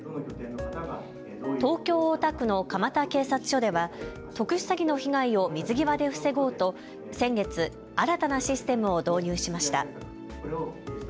東京・大田区の蒲田警察署では特殊詐欺の被害を水際で防ごうと先月、新たなシステムを導入しました。